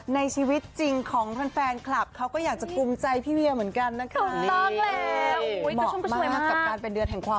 ในชีวิตจริงของแฟนคลับเขาก็อยากจะกุมใจพี่เวียเหมือนกันนะคะ